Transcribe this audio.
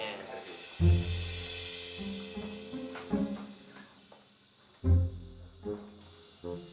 tuh cik liat kan